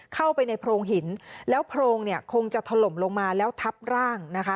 เข้าไปในโพรงหินแล้วโพรงเนี่ยคงจะถล่มลงมาแล้วทับร่างนะคะ